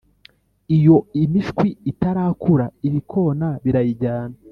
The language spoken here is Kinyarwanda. Iyo imishwi itarakura ibikona birayijyana